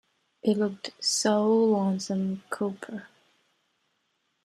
He looked so lonesome, Cooper.